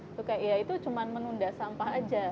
itu kayak ya itu cuma menunda sampah aja